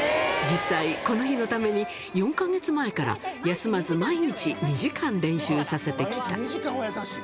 実際、この日のために４か月前から、休まず毎日２時間練習させてきた。